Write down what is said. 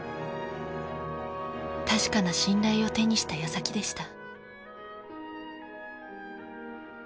確かな信頼を手にしたやさきでした。